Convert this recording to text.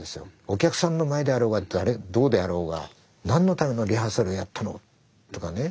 お客さんの前であろうがどうであろうが「何のためのリハーサルやったの！」とかね。